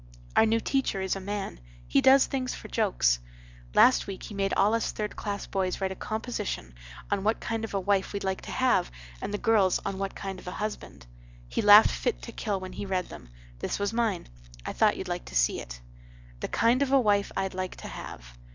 "Our new teacher is a man. He does things for jokes. Last week he made all us third class boys write a composishun on what kind of a wife we'd like to have and the girls on what kind of a husband. He laughed fit to kill when he read them. This was mine. I thought youd like to see it. "'The kind of a wife I'd like to Have.